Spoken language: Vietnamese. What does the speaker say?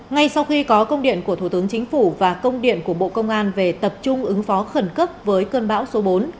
ngay sau khi có công điện của thủ tướng chính phủ và công điện của bộ công an về tập trung ứng phó khẩn cấp với cơn bão số bốn